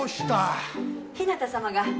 日向様が。